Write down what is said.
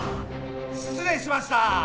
失礼しました。